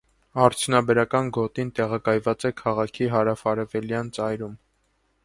Արդյունաբերական գոտին տեղակայված է քաղաքի հարավարևելյան ծայրում։